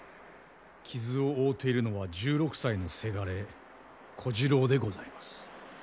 傷を負うているのは１６歳のせがれ小次郎でございます。